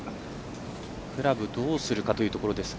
クラブどうするかというところですが。